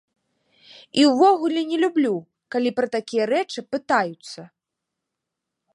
І ўвогуле не люблю, калі пра такія рэчы пытаюцца.